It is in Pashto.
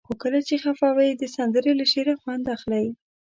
خو کله چې خفه وئ؛ د سندرې له شعره خوند اخلئ.